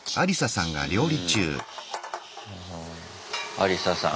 アリサさん。